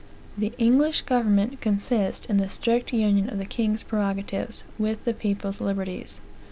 The English government consists in the strict union of the king's prerogatives with the people's liberties.